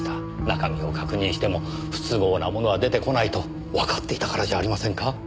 中身を確認しても不都合なものは出てこないとわかっていたからじゃありませんか？